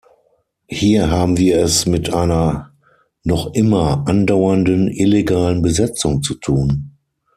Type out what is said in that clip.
Hier haben wir es mit einer noch immer andauernden illegalen Besetzung zu tun.